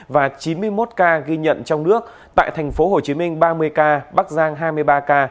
và chín mươi một ca ghi nhận trong nước tại thành phố hồ chí minh ba mươi ca bắc giang hai mươi ba ca